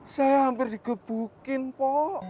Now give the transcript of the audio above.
saya hampir digebukin pok